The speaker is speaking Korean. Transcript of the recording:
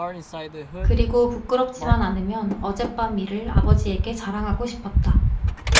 그리고 부끄럽지만 않으면 어젯밤 일을 아버지에게 자랑하고 싶었다.